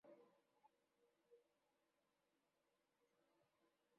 সে প্রকার না হয় যেন।